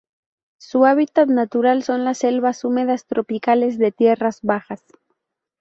Su hábitat natural son las selvas húmedas tropicales de tierras bajas.